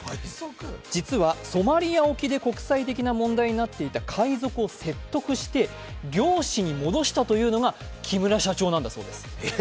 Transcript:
実はソマリア沖で国際的な問題になっていた海賊を説得して漁師に戻したというのが木村社長なんだそうです。